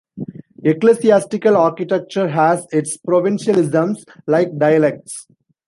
Ecclesiastical architecture has its provincialisms, like dialects.